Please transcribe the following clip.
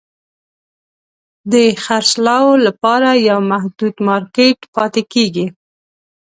د خرڅلاو لپاره یو محدود مارکېټ پاتې کیږي.